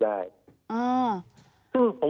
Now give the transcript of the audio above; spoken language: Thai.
ได้อือซึ่ง